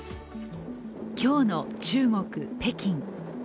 今日の中国・北京。